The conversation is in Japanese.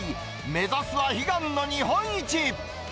目指すは悲願の日本一。